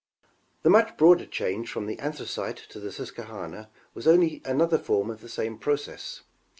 The much broader change from the Anthracite to the Susquehanna was only another form of the same process.